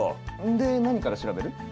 で何から調べる？